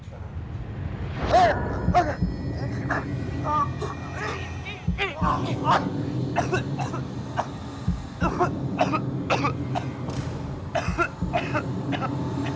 จัดเต็มให้เลย